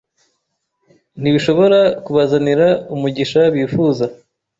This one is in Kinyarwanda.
ntibishobora kubazanira umugisha bifuza